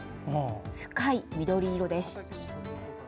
深い緑色です。